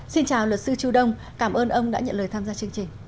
xin chào luật sư chu đông cảm ơn ông đã nhận lời tham gia chương trình